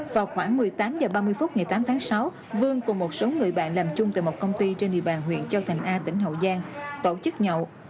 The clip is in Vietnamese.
vào khoảng một mươi tám h ba mươi phút ngày tám tháng sáu vương cùng một số người bạn làm chung từ một công ty trên địa bàn huyện châu thành a tỉnh hậu giang tổ chức nhậu